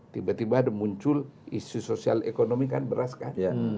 tiba tiba ada muncul isu sosial ekonomi kan beras kan